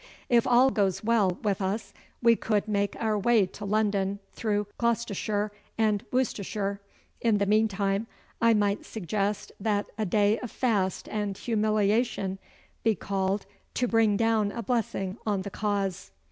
If all goes well with us, we could make our way to London through Gloucestershire and Worcestershire. In the meantime I might suggest that a day of fast and humiliation be called to bring down a blessing on the cause.